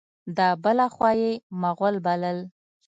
دا بله خوا یې مغل بلل.